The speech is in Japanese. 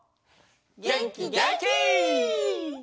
げんきげんき！